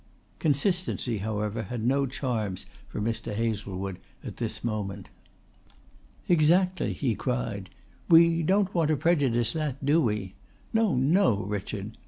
Consistency however had no charms for Mr. Hazlewood at this moment. "Exactly," he cried. "We don't want to prejudice that do we? No, no, Richard!